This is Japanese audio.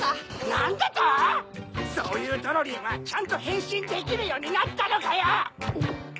なんだと⁉そういうドロリンはちゃんとへんしんできるようになったのかよ！